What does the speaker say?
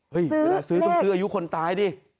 เวลาซื้อต้องซื้ออายุคนตายดิ